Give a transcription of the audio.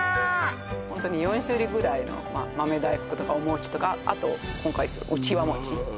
ホントに４種類ぐらいの豆大福とかお餅とかあと今回そのうちわ餅